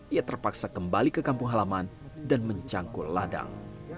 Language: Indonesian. ia terpaksa kembali ke kampung halaman dan mencangkul ladang